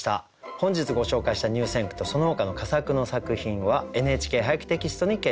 本日ご紹介した入選句とそのほかの佳作の作品は「ＮＨＫ俳句」テキストに掲載されます。